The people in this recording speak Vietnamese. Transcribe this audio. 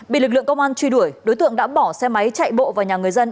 bị lực lượng công an truy đuổi đối tượng đã bỏ xe máy chạy bộ vào nhà người dân